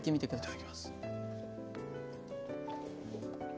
いただきます。